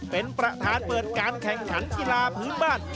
เป็นประธานเปิดการแข่งขันกีฬาพื้นบ้าน